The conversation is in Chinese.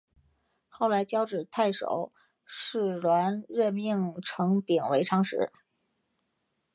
后来交趾太守士燮任命程秉为长史。